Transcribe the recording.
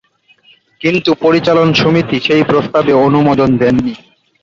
কিন্তু পরিচালন সমিতি সেই প্রস্তাবে অনুমোদন দেননি।